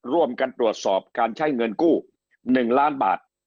ร่วมกันตรวจสอบการใช้เงินกู้๑ล้านบาท